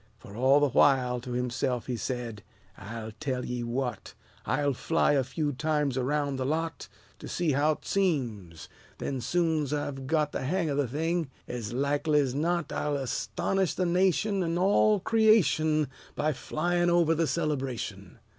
For all the while to himself he said: "I tell ye what! I'll fly a few times around the lot, To see how 't seems, then soon 's I've got The hang o' the thing, ez likely 's not, I'll astonish the nation, An' all creation, By flyin' over the celebration!